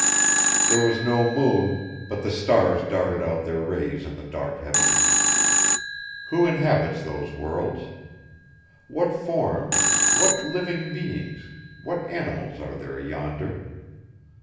There was no moon, but the stars darted out their rays in the dark heavens. Who inhabits those worlds? What forms, what living beings, what animals are there yonder?